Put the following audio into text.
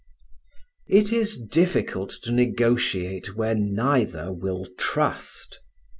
It is difficult to negotiate where neither will trust.